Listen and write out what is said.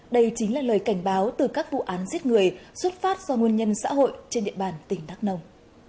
đây chính là lời cảnh báo từ các vụ án giết người xuất phát do nguồn nhân xã hội trên địa bàn tỉnh đắk nông